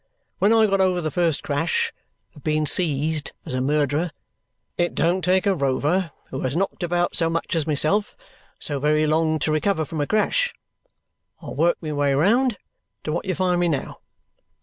When I got over the first crash of being seized as a murderer it don't take a rover who has knocked about so much as myself so very long to recover from a crash I worked my way round to what you find me now.